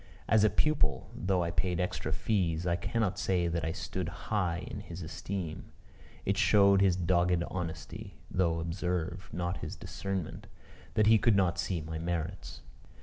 As a pupil, though I paid extra fees, I cannot say that I stood high in his esteem. It showed his dogged honesty, (though, observe, not his discernment,) that he could not see my merits.